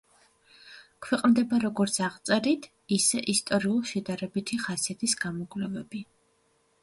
ქვეყნდება როგორც აღწერით, ისე ისტორიულ-შედარებითი ხასიათის გამოკვლევები.